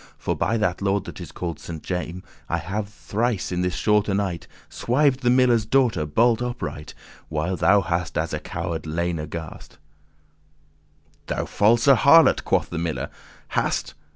For by that lord that called is Saint Jame, As I have thries in this shorte night Swived the miller's daughter bolt upright, While thou hast as a coward lain aghast*." *afraid "Thou false harlot," quoth the miller, "hast?